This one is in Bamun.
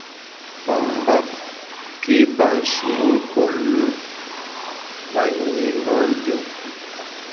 Pa mbap ké pa nshùenkun ne, ma nyi mantùm.